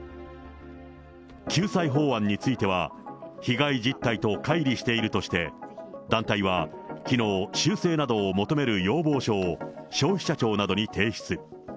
救済法案については、被害実態とかい離しているとして、団体は、きのう修正などを求める要望書を消費者庁などに提出。